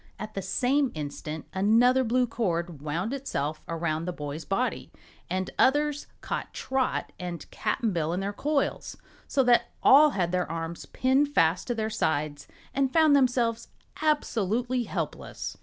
At the same instant another blue cord wound itself around the boy's body, and others caught Trot and Cap'n Bill in their coils, so that all had their arms pinned fast to their sides and found themselves absolutely helpless.